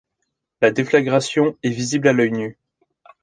La déflagration est visible à l’œil nu.